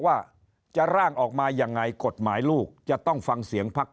ว่าจะร่างออกมายังไงกฎหมายลูกจะต้องฟังเสียงพัก